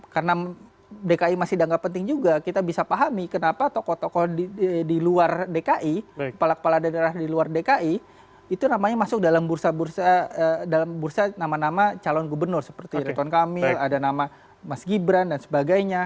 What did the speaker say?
karena dki masih dianggap penting juga kita bisa pahami kenapa tokoh tokoh di luar dki kepala kepala daerah di luar dki itu namanya masuk dalam bursa bursa nama nama calon gubernur seperti reton kamil ada nama mas gibran dan sebagainya